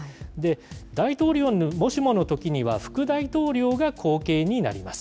大統領にもしものときには、副大統領が後継になります。